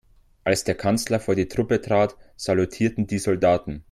Als der Kanzler vor die Truppe trat, salutierten die Soldaten.